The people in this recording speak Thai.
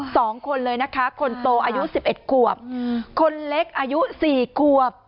สองคนเลยนะคะคนโตอายุสิบเอ็ดขวบอืมคนเล็กอายุสี่ขวบ